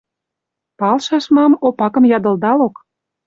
Палшаш мам, Опакым ядылдалок.